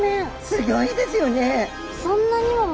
すギョいですよね。